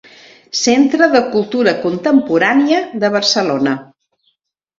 Centre de Cultura Contemporània de Barcelona.